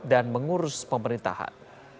dan mengurus pemerintahan